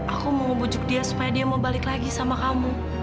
aku mau ngebujuk dia supaya dia mau balik lagi sama kamu